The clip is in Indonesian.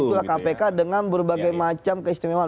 itulah kpk dengan berbagai macam keistimewaan